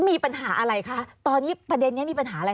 มีปัญหาอะไรคะตอนนี้ประเด็นนี้มีปัญหาอะไร